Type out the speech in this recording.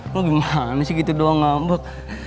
lo gimana sih gitu doang ngambek